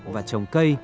và trồng cây